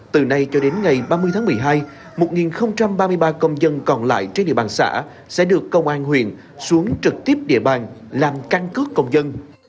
từ nay cho đến ngày ba mươi tháng một mươi hai một ba mươi ba công dân còn lại trên địa bàn xã sẽ được công an huyện xuống trực tiếp địa bàn làm căn cước công dân